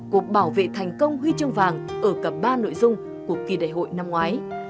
cục bảo vệ thành công huy chương vàng ở cả ba nội dung của kỳ đại hội năm ngoái